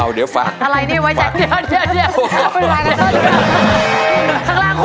เอาเดี๋ยวฟังฟังเลยฟังอะไรนี่ไว้จากู